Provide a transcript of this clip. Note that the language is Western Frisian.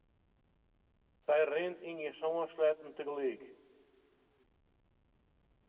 Sy rint yn gjin sân sleatten tagelyk.